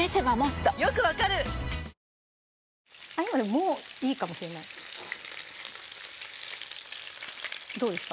もういいかもしれないどうですか？